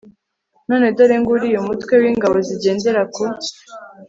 None dore nguriya umutwe w ingabo zigendera ku